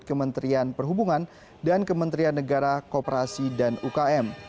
kementerian perhubungan dan kementerian negara kooperasi dan ukm